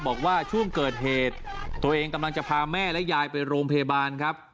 บอกว่าช่วงเกิดเหตุตัวเองกำลังจะพาแม่และยายไปโรงพยาบาลครับ